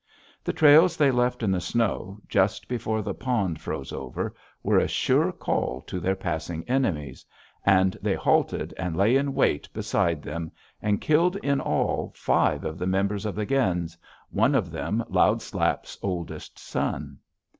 The trails they left in the snow, just before the pond froze over, were a sure call to their passing enemies, and they halted and lay in wait beside them, and killed in all five of the members of the gens, one of them Loud Slap's oldest son.